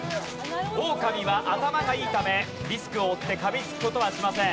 オオカミは頭がいいためリスクを負って噛みつく事はしません。